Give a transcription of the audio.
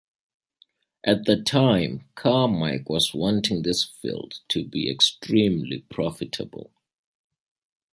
At the time, Carmike was wanting this field to be extremely profitable.